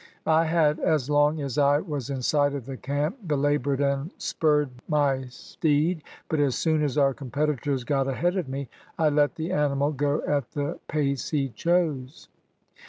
I had as long as I was in sight of the camp belaboured and spurred my steed, but as soon as our competitors got ahead of me I let the animal go at the pace he chose.